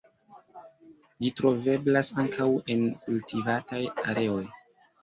Ĝi troveblas ankaŭ en kultivataj areoj.